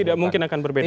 tidak mungkin akan berbeda